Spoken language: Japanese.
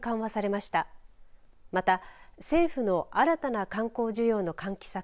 また、政府の新たな観光需要の喚起策